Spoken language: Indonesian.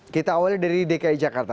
kita awalnya dari dki jakarta